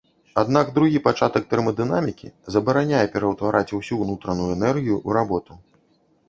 Аднак другі пачатак тэрмадынамікі забараняе ператвараць усю ўнутраную энергію ў работу.